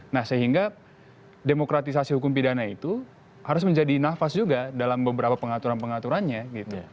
nah sehingga demokratisasi hukum pidana itu harus menjadi nafas juga dalam beberapa pengaturan pengaturannya gitu